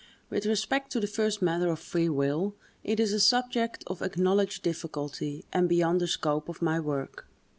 With respect to the first matter of free will, it is a subject of acknowledged difficulty, and beyond the scope of my work.